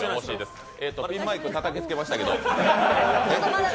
ピンマイクたたきつけましたけど。